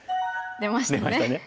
出ましたね。